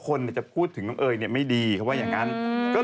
กำลังศึกษาดูแลใจกันอยู่